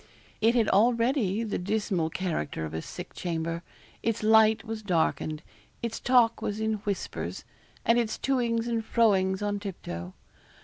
It had already the dismal character of a sick chamber. Its light was darkened; its talk was in whispers; and its to ings and fro ings on tip toe.